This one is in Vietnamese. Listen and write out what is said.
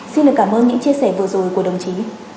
xin được cảm ơn những chia sẻ vừa rồi của đồng chí